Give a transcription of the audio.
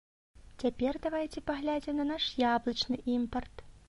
Цяпер давайце паглядзім на наш яблычны імпарт.